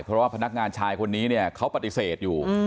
เพราะว่าพนักงานชายคนนี้เนี่ยเขาปฏิเสธอยู่